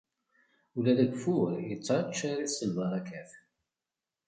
Ula d ageffur ittaččar-it s lbarakat.